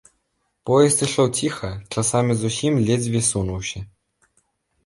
Поезд ішоў ціха, часамі зусім ледзьве сунуўся.